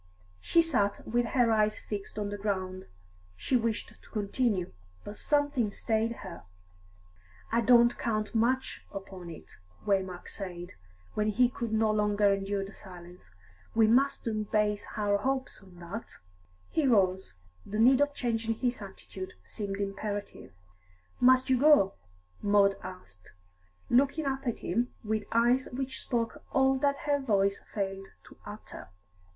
She sat with her eyes fixed on the ground. She wished to continue, but something stayed her. "I don't much count upon it," Waymark said, when he could no longer endure the silence. "We mustn't base any hopes on that." He rose; the need of changing his attitude seemed imperative. "Must you go?" Maud asked, looking up at him with eyes which spoke all that her voice failed to utter.